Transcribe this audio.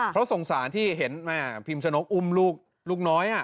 เพราะสงสารที่เห็นแม่พิมพ์ชนกอุ้มลูกน้อย